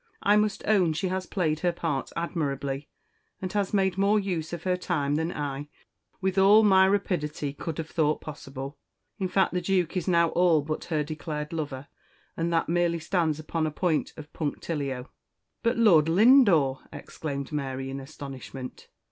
I must own she has played her part admirably, and has made more use of her time than I, with all my rapidity, could have thought possible. In fact, the Duke is now all but her declared lover, and that merely stands upon a point of punctilio." "But Lord Lindore!" exclaimed Mary in astonishment.